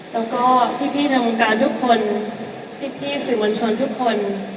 แล้วก็พี่ในวงการทุกคนพี่สื่อมวลชนทุกคน